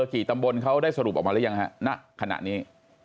กี่ตำบลเขาได้สรุปออกมาหรือยังฮะณขณะนี้